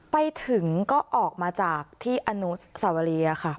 ไปถึงก็ออกมาจากที่อนุสวรีค่ะ